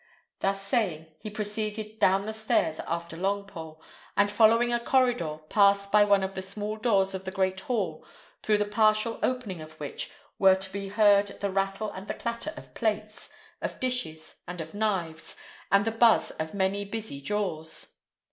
Thus saying, he proceeded down the stairs after Longpole, and following a corridor, passed by one of the small doors of the great hall, through the partial opening of which were to be heard the rattle and the clatter of plates, of dishes, and of knives, and the buzz of many busy jaws.